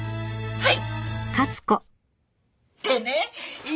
はい。